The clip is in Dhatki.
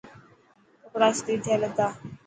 ڪپڙا استري ٿيل هتا.